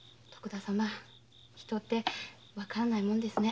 人ってわからないものですね。